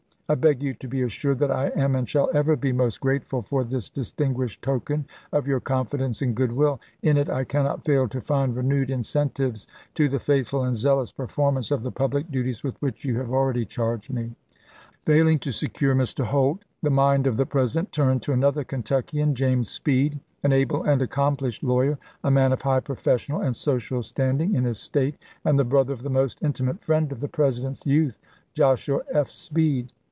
I beg you to be assured that I am and shall ever be most grateful for this distinguished token of your confidence and good will. In it I cannot fail to find renewed incentives to the faithful and zealous performance of the public duties with which you have already charged me." Failing to secure Mr. Holt, the mind of the President turned to another Kentuckian, James Speed, an able and accomplished lawyer, a man of high professional and social standing in his State, and the brother of the most intimate friend of the President's youth, Joshua F. Speed.